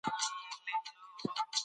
د الوتکې غږ اوس زما په غوږونو کې نه دی.